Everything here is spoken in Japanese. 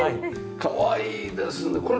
かわいいですね